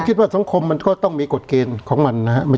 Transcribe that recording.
คิดว่าสังคมมันก็ต้องมีกฎเกณฑ์ของมันนะครับ